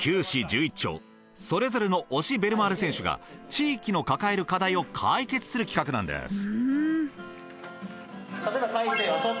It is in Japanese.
９市１１町それぞれの推しベルマーレ選手が地域の抱える課題を解決する企画なんです。